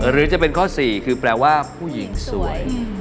หรือจะเป็นข้อ๔คือแปลว่าผู้หญิงสวย